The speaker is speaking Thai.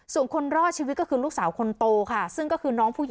ส่วนคนรอดชีวิตก็คือลูกสาวคนโตค่ะซึ่งก็คือน้องผู้หญิง